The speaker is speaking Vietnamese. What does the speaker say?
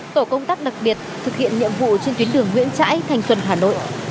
tổ công tác đặc biệt thực hiện nhiệm vụ trên tuyến đường nguyễn trãi thành xuân hà nội